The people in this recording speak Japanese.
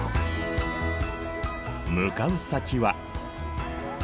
向かう先は。